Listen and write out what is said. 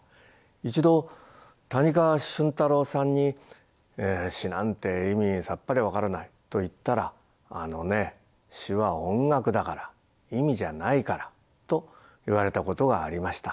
一度谷川俊太郎さんに「詩なんて意味さっぱり分からない」と言ったら「あのね詩は音楽だから意味じゃないから」と言われたことがありました。